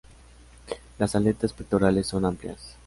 Las aletas pectorales son amplias.